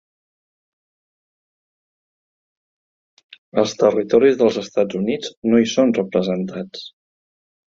Els territoris dels Estats Units no hi són representats.